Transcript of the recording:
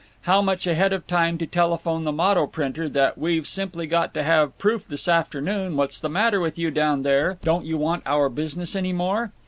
How much ahead of time to telephone the motto printer that "we've simply got to have proof this afternoon; what's the matter with you, down there? Don't you want our business any more?"